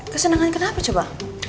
kesenangan kenapa coba